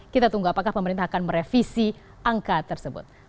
kita tunggu apakah pemerintah akan merevisi angka tersebut